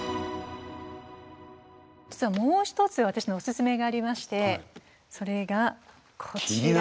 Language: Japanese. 実はもう一つ私のオススメがありましてそれがこちらです。